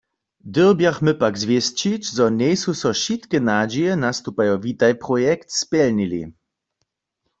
Dyrbjachmy pak zwěsćić, zo njejsu so wšitke nadźije nastupajo Witaj-projekt spjelnili.